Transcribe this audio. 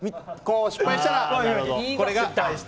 失敗したらこれを。